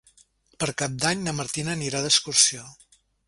Per Cap d'Any na Martina anirà d'excursió.